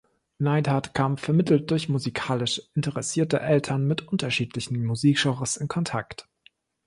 Neidhardt kam vermittelt durch musikalisch interessierte Eltern mit unterschiedlichen Musikgenres in Kontakt.